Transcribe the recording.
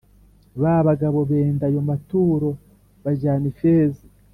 Ba bagabo benda ayo maturo bajyana ifeza